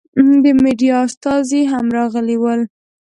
د مېډیا استازي هم راغلي ول.